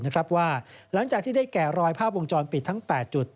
ครั้งหลังจากที่ได้แก่รอยผ้าวงจรปิดทั้ง๘จุด